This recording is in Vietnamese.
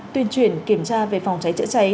tuyên truyền kiểm tra về phòng cháy chữa cháy